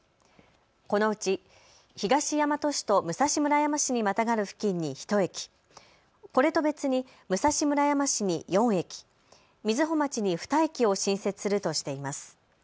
このうち東大和市と武蔵村山市にまたがる付近に１駅、これと別に武蔵村山市に４駅、瑞穂町に２駅を新設するとしています。